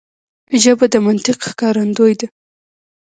ژبه د منطق ښکارندوی ده